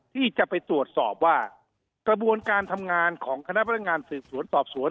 ที่จะไปตรวจสอบว่ากระบวนการทำงานของคณะพนักงานสืบสวนสอบสวน